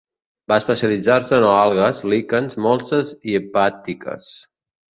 Va especialitzar-se en algues, líquens, molses i hepàtiques.